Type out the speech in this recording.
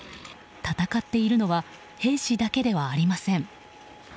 戦っているのは兵士だけではありません。